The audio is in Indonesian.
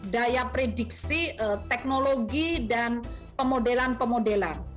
daya prediksi teknologi dan pemodelan pemodelan